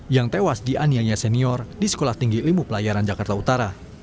yang tewas dianiaya senior di sekolah tinggi ilmu pelayaran jakarta utara